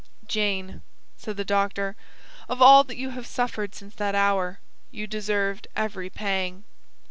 "Jane," said the doctor, "of all that you have suffered since that hour, you deserved every pang."